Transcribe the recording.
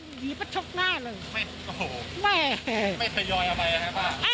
ไปไงเลยหยีปะชกหน้าเลยไม่โอ้โหไม่ไม่ได้ยอยเอาไปไงป้า